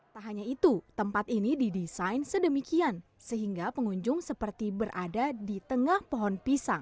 tak hanya itu tempat ini didesain sedemikian sehingga pengunjung seperti berada di tengah pohon pisang